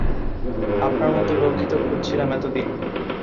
আপনার মতো লোকই তো খুঁজছিলাম এতদিন!